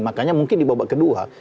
makanya mungkin di babak kedua